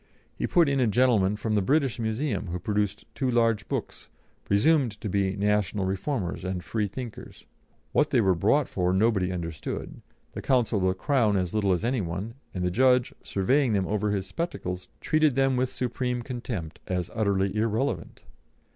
He put in a gentleman from the British Museum, who produced two large books, presumed to be National Reformers and Freethinkers; what they were brought for nobody understood, the counsel for the Crown as little as any one, and the judge, surveying them over his spectacles, treated them with supreme contempt, as utterly irrelevant.